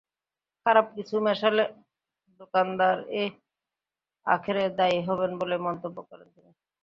খারাপ কিছু মেশালে দোকানদারই আখেরে দায়ী হবেন বলে মন্তব্য করেন তিনি।